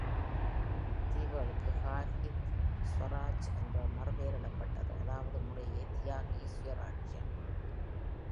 தீவுகளுக்கு "ஷாஹீத்", "ஸ்வராஜ்" என்று மறுபெயரிடப்பட்து, அதாவது முறையே "தியாகி", "சுயராஜ்யம்".